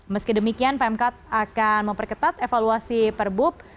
meski demikian pemkat akan memperketat evaluasi perbub